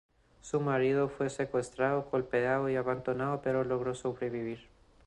Su marido fue secuestrado, golpeado y abandonado, pero logró sobrevivir.